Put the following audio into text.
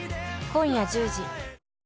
今夜１０時。